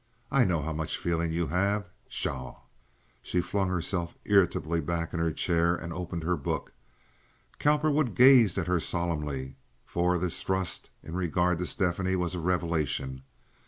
I know how much feeling you have. Pshaw!" She flung herself irritably back in her chair and opened her book. Cowperwood gazed at her solemnly, for this thrust in regard to Stephanie was a revelation.